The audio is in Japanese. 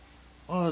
ああ。